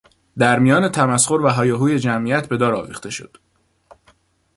در میان تمسخر و هیاهوی جمعیت به دار آویخته شد.